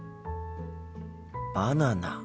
バナナか。